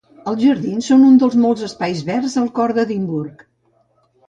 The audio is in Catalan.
Els jardins són un dels molts espais verds al cor d'Edimburg.